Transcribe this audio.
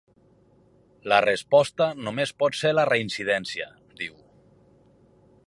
La resposta només pot ser la reincidència, diu.